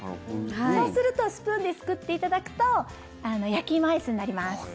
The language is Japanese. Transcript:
そうするとスプーンですくっていただくと焼き芋アイス。